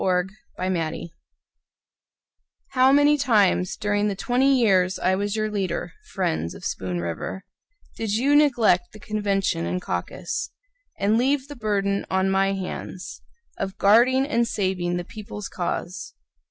Enoch Dunlap How many times, during the twenty years I was your leader, friends of Spoon River, Did you neglect the convention and caucus, And leave the burden on my hands Of guarding and saving the people's cause?